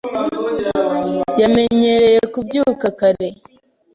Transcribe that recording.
Yamenyereye kubyuka kare.